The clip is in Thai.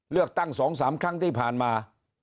เลือกตั้งสองสามครั้งที่ผ่านมา